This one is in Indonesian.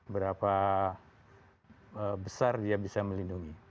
berapa besar dia bisa melindungi